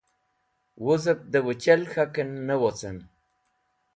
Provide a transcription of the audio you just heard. Wuzẽb dẽ wẽchel k̃hakẽn ne wocẽm